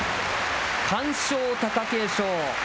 完勝、貴景勝。